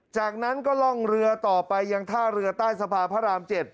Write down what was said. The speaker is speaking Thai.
จากนั้นก็ล่องเรือต่อไปยังท่าเรือใต้สะพานพระราม๗